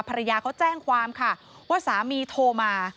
ภรรยาเขาแจ้งความค่ะว่าสามีโทรมา